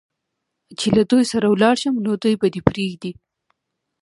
چې له دوی سره ولاړ شم، نو دوی به دې پرېږدي؟